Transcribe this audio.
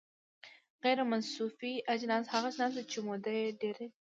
غیر مصرفي اجناس هغه اجناس دي چې موده یې ډیره وي.